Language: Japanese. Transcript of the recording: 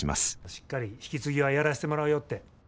しっかり引き継ぎはやらしてもらうよって。